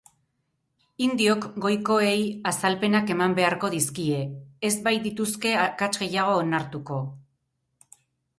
Indiok goikoei azalpenak eman beharko dizkie ez bait dituzke akats gehiago onartuko.